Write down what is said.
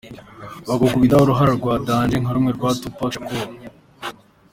Bagukubita uruhara rwa ’danger’ nka rumwe rwa Tupac Shakur.